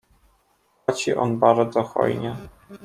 "Płaci on bardzo hojnie."